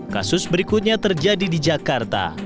kasus berikutnya terjadi di jakarta